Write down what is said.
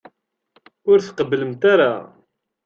Ur tqebblemt ara.